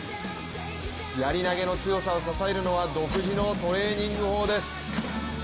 やり投げの強さを支えるのは独自のトレーニング法です。